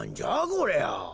こりゃ。